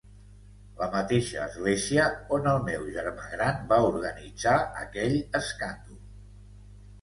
La mateixa església on el meu germà gran va organitzar aquell escàndol.